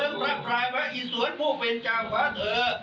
คราแมพลกรองกาพะเผลิงพักภายปะอีสวรค์ผู้เผ็ยจาขวาเถิร์